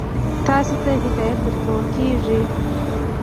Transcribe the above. تاسې ته هدایت درکول کیږي.